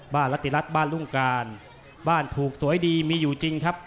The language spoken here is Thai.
รัฐติรัฐบ้านรุ่งการบ้านถูกสวยดีมีอยู่จริงครับ